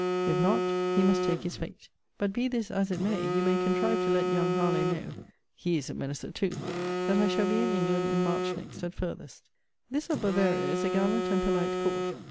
If not he must take his fate. But be this as it may, you may contrive to let young Harlowe know [he is a menacer, too!] that I shall be in England in March next, at farthest. This of Bavaria is a gallant and polite court.